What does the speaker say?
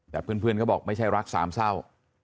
แต่เพื่อนเขาบอกไม่ใช่รักสามเศร้า